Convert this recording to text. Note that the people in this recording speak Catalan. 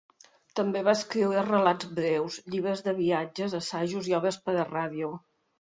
També va escriure relats breus, llibres de viatges, assajos i obres per a ràdio.